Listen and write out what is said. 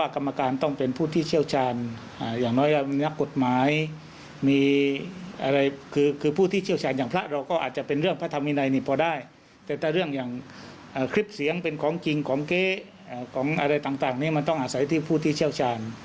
ความจริงของเก๊ของอะไรต่างนี้มันต้องอาศัยที่ผู้ที่เชี่ยวชาญ